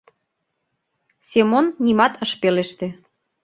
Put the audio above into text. Семон нимат ыш пелеште.